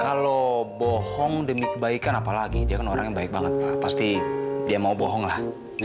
kalau bohong demi kebaikan apalagi dia kan orang yang baik banget pak pasti dia mau bohong lah